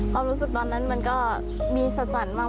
ความรู้สึกตอนนั้นมันก็มีสัดสรรค์บ้าง